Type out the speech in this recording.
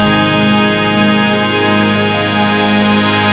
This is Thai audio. โลกมนุษย์เงิบจะดีกว่านี้แท้